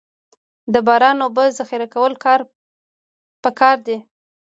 د باران اوبو ذخیره کول پکار دي